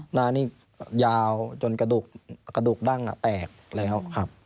หน้านี่ยาวจนกระดูกดั้งแตกแล้วครับ